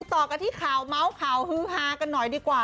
ต่อกันที่ข่าวเมาส์ข่าวฮือฮากันหน่อยดีกว่า